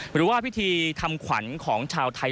หรือว่าพิธีทำขวัญของชาวไทย